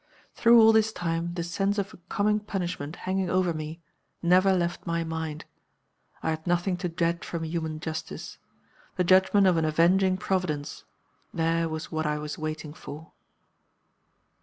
"Through all this time the sense of a coming punishment hanging over me never left my mind. I had nothing to dread from human justice. The judgment of an Avenging Providence there was what I was waiting for.